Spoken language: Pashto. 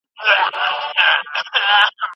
د نورو تر شعرونو هم مغلق سي